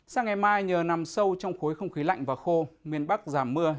sáng ngày mai nhờ nằm sâu trong khối không khí lạnh và khô miền bắc giảm mưa